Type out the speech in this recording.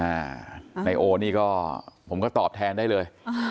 นายโอนี่ก็ผมก็ตอบแทนได้เลย